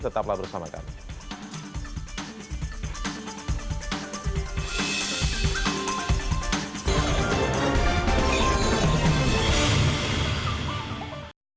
tetap berada bersama kami